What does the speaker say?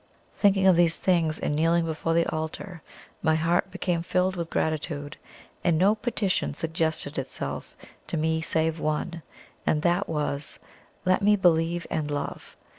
Thinking of these things and kneeling before the altar, my heart became filled with gratitude; and no petition suggested itself to me save one, and that was, "Let me believe and love!"